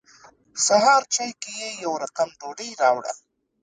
سهار چای کې یې يو رقم ډوډۍ راوړه.